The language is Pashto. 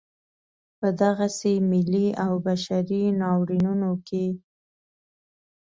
په دغسې ملي او بشري ناورینونو کې.